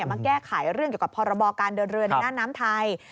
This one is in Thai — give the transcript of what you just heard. มาแก้ไขเรื่องเกี่ยวกับพรบการเดินเรือในหน้าน้ำไทย